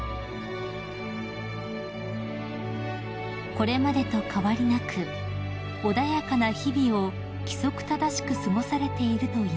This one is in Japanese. ［これまでと変わりなく穏やかな日々を規則正しく過ごされているといいます］